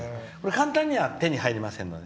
簡単には手に入りませんので。